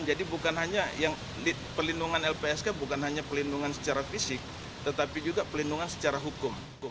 jadi perlindungan lpsk bukan hanya perlindungan secara fisik tetapi juga perlindungan secara hukum